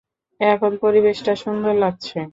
এখন পরিবেশটা সুন্দর লাগছে।